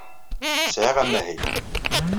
Sɛiɣ amahil.